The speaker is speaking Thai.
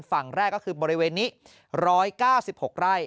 ฝั่งแรกก็คือบริเวณนี้๑๙๖ไร่